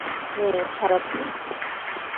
হুম, খারাপ না।